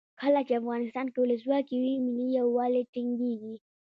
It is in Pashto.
کله چې افغانستان کې ولسواکي وي ملي یووالی ټینګیږي.